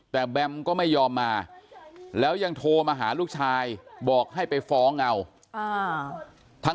แต่แบมก็ไม่ยอมมาแล้วยังโทรมาหาลูกชายบอกให้ไปฟ้องเอา